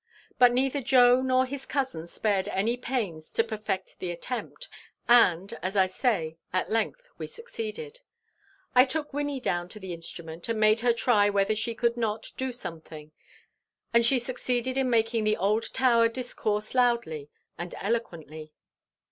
But neither Joe nor his cousin spared any pains to perfect the attempt, and, as I say, at length we succeeded. I took Wynnie down to the instrument and made her try whether she could not do something, and she succeeded in making the old tower discourse loudly and eloquently.